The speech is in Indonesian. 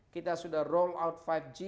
kita sudah roll out lima g